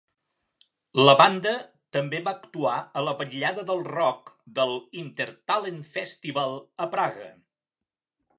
La banda també va actuar a la vetllada del rock de l'Intertalent Festival a Praga.